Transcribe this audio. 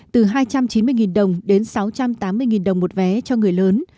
từ hai trăm chín mươi đồng đến sáu trăm tám mươi đồng một vé cho người lớn